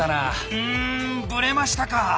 うんぶれましたか。